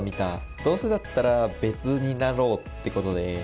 どうせだったら別になろうってことで。